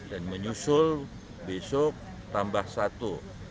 dan menyusul besok tambah satu